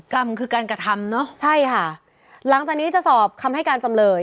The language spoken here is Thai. กรรมคือการกระทำเนอะใช่ค่ะหลังจากนี้จะสอบคำให้การจำเลย